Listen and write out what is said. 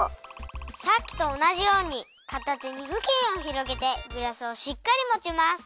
さっきとおなじようにかた手にふきんをひろげてグラスをしっかりもちます。